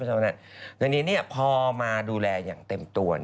เพราะฉะนั้นเนี่ยพอมาดูแลเต็มตัว